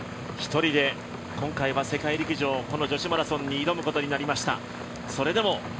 １人で今回は世界陸上この女子マラソンに挑むことになりました。